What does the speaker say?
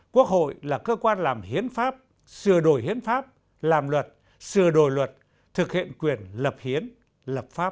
quốc hội là cơ quan làm hiến pháp sửa đổi hiến pháp làm luật sửa đổi luật thực hiện quyền lập hiến lập pháp